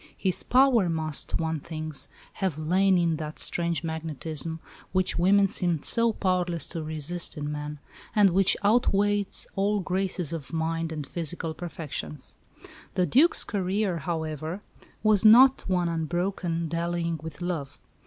His power must, one thinks, have lain in that strange magnetism which women seem so powerless to resist in men, and which outweighs all graces of mind and physical perfections. The Duc's career, however, was not one unbroken dallying with love.